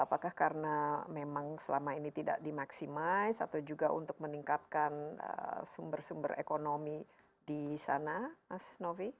apakah karena memang selama ini tidak dimaksimais atau juga untuk meningkatkan sumber sumber ekonomi di sana mas novi